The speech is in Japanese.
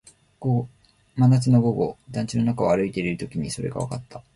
真夏の午後、団地の中を歩いているときにそれがわかった